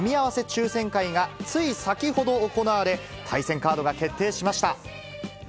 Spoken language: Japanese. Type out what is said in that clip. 抽せん会がつい先ほど、行われ、対戦カードが決定しました。